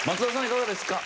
いかがですか？